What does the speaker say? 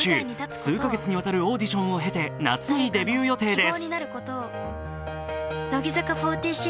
数か月にわたるオーディションを経て夏にデビュー予定です。